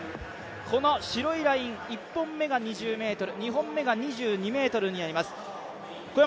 この白いライン１本目が２０ｍ、２本目が２２ｍになります。